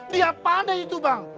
dia pandai itu bang